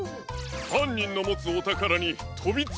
はんにんのもつおたからにとびついたとも。